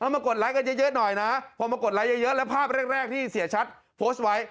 มากดไลค์กันเยอะหน่อยนะพอมากดไลค์เยอะแล้วภาพแรกที่เสียชัดโพสต์ไว้